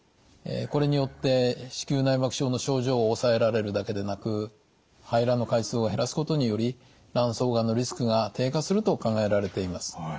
これによって子宮内膜症の症状を抑えられるだけでなく排卵の回数を減らすことにより卵巣がんのリスクが低下すると考えられています。